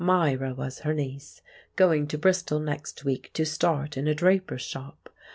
Myra was her niece, going to Bristol next week to start in a draper's shop.